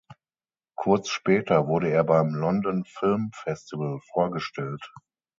Kurz später wurde er beim London Film Festival vorgestellt.